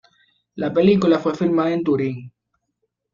La película fue filmada en Turín.